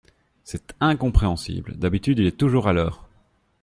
C'est incompréhensible! D'habitude, il est toujours à l'heure !